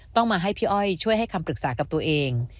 ต้องมาให้พี่อ้อยช่วยให้คำปรึกษากับตัวเอง